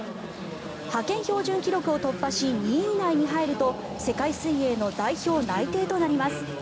派遣標準記録を突破し２位以内に入ると世界水泳の代表内定となります。